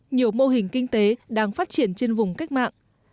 nhiều mô hình kinh tế đang phát triển trên vùng cách mạng